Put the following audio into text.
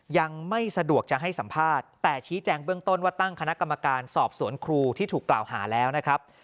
ยังไม่สะดวกจะให้สัมภาษณ์แต่ชี้แจงเบื้องต้นว่าตั้งคณะกรรมการสอบสวนครูที่ถูกกล่าวหาแล้วนะครับ